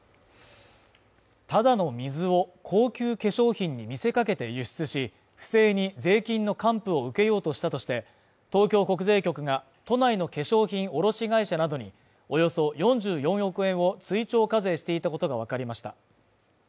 ただの水を高級化粧品に見せかけて輸出し、不正に税金の還付を受けようとしたとして、東京国税局が都内の化粧品卸会社などにおよそ４４億円を追徴課税していたことがわかりました。